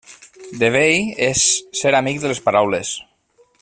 De vell és ser amic de les paraules.